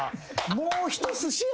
もうひとすし屋